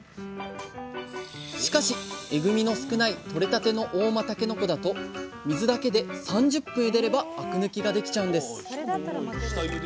しかしえぐみの少ないとれたての合馬たけのこだと水だけで３０分ゆでればあく抜きができちゃうんです！